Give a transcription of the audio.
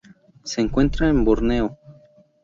Se encuentra en Borneo.